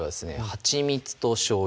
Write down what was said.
はちみつとしょうゆ